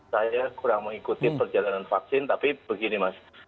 saya kurang mengikuti perjalanan vaksin tapi begini mas